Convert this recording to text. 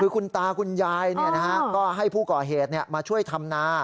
คือคุณตาคุณยายเนี่ยนะฮะก็ให้ผู้ก่อเหตุเนี่ยมาช่วยทำนา